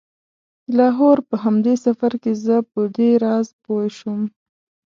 د لاهور په همدې سفر کې زه په دې راز پوی شوم.